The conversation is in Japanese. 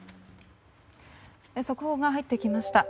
速報が入ってきました。